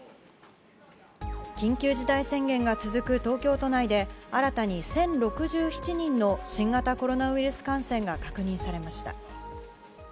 緊急事態宣言が続く東京都内で新たに１０６７人の新型コロナウイルス感染が確認されました。